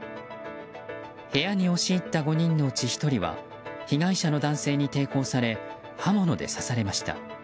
部屋に押し入った５人のうち１人は被害者の男性に抵抗され刃物で刺されました。